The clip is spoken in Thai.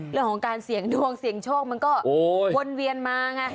เรื่องของการเสี่ยงดวงเสี่ยงโชคมันก็วนเวียนมาไง